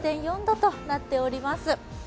９．４度となっております。